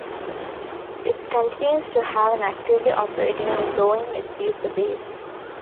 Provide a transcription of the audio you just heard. It continues to have an actively operating and growing its user base.